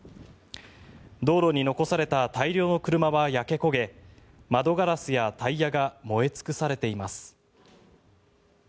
道路に残された大量の車は焼け焦げ窓ガラスやタイヤが燃え尽くされています。